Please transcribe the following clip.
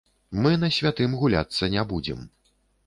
Мы на святым гуляцца не будзем.